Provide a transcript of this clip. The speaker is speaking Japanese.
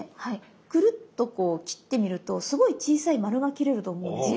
クルっとこう切ってみるとすごい小さい丸が切れると思うんですよ。